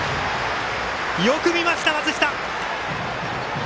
よく見ました！松下。